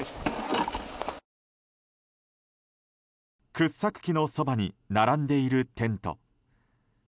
掘削機のそばに並んでいるテント。